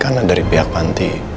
karena dari pihak panti